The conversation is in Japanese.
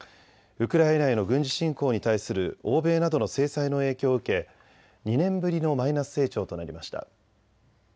ウクライナへの軍事侵攻に対する欧米などの制裁の影響を受け２年ぶりのマイナス成長となりました。